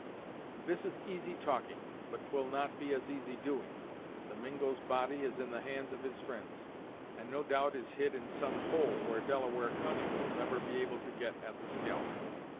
"This is easy talking, but 'twill not be as easy doing. The Mingo's body is in the hands of his fri'nds and, no doubt, is hid in some hole where Delaware cunning will never be able to get at the scalp."